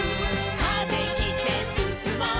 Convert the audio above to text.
「風切ってすすもう」